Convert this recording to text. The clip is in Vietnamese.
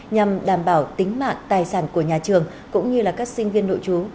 nhằm đảm bảo tính mạng tài sản của nhà trường cũng như là các sinh viên nội trú